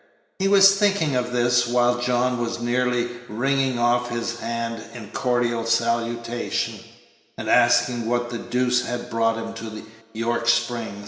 He was thinking this while John was nearly wringing off his hand in cordial salutation, and asking what the deuce had brought him to the York Spring.